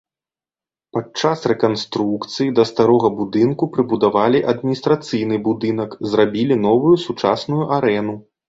Падчас рэканструкцыі да старога будынку прыбудавалі адміністрацыйны будынак, зрабілі новую сучасную арэну.